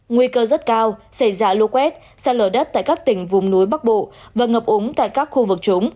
nguy cơ rất cao xảy ra lũ quét xa lở đất tại các tỉnh vùng núi bắc bộ và ngập úng tại các khu vực trúng